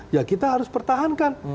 ya kita harus pertahankan